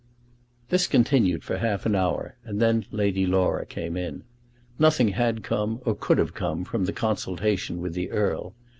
This continued for half an hour, and then Lady Laura came in. Nothing had come, or could have come, from the consultation with the Earl.